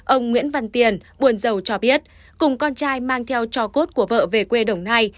ông nguyễn văn tiền buôn dầu cho biết cùng con trai mang theo cho cốt của vợ về quê đồng nai